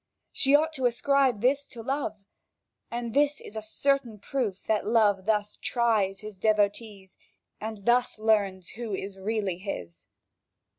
She ought to ascribe this to love; and this is a certain proof that love thus tries his devotees and thus learns who is really his.